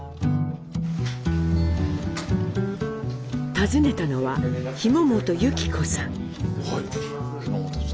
訪ねたのは紐本悠紀子さん。